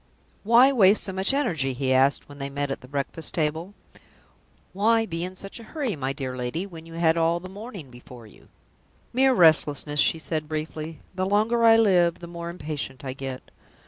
"Why waste so much energy?" he asked, when they met at the breakfast table. "Why be in such a hurry, my dear lady, when you had all the morning before you?" "Mere restlessness!" she said, briefly. "The longer I live, the more impatient I get."